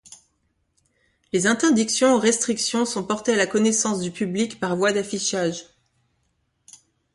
Les interdictions ou restrictions sont portées à la connaissance du public par voie d'affichage.